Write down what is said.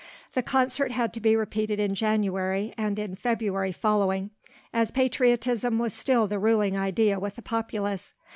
The concert had to be repeated in January and in February following, as patriotism was still the ruling idea with the populace.